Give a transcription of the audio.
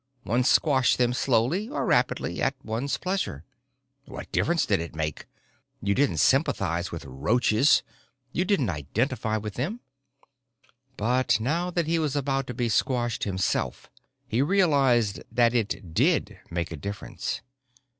One squashed them slowly or rapidly at one's pleasure. What difference did it make? You didn't sympathize with roaches. You didn't identify with them. But now that he was about to be squashed himself, he realized that it did make a difference.